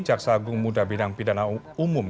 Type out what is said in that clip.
jaksa agung muda bidang pidana umum